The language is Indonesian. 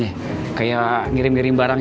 ya allah bang